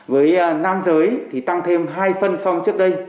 với nam giới thì tăng thêm hai phân so với trước đây